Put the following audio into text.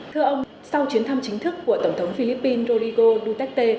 thưa ông sau chuyến thăm chính thức của tổng thống philippines rodrigo duterte